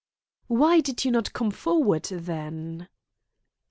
"Why did you not come forward then?"